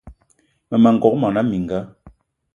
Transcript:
Mmema n'gogué mona mininga